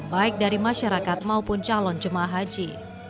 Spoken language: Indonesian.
baik dari masyarakat maupun calon jemaah haji